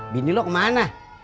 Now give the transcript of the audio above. bini lu kemana